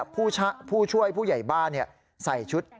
ผู้ช่วยผู้ใหญ่บ้านใส่ชุด